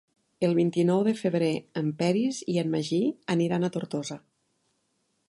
El vint-i-nou de febrer en Peris i en Magí aniran a Tortosa.